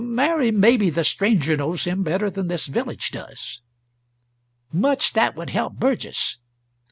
"Mary, maybe the stranger knows him better than this village does." "Much that would help Burgess!"